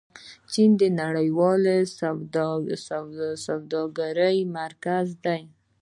چین د نړیوالې سوداګرۍ مرکز دی.